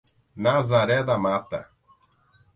Nazaré da Mata